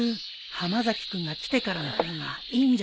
浜崎君が来てからの方がいいんじゃないかな。